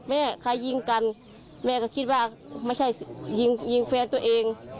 แม่ใครยิงกันแม่ก็คิดว่าไม่ใช่ยิงยิงแฟนตัวเอง